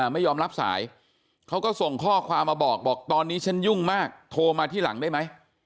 ไม่ยอมรับสายเขาก็ส่งข้อความมาบอกบอกตอนนี้ฉันยุ่งมากโทรมาที่หลังได้ไหม